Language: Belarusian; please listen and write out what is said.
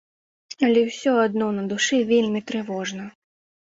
Але ўсё адно на душы вельмі трывожна.